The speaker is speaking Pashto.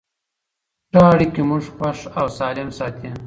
ښه اړیکې موږ خوښ او سالم ساتي.